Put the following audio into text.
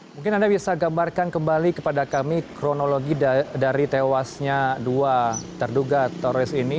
mungkin anda bisa gambarkan kembali kepada kami kronologi dari tewasnya dua terduga teroris ini